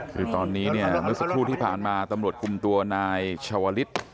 คือตอนนี้เนี่ยสักครู่ที่ผ่านมาตำรวจคุมตัวณชาวฤทธิ์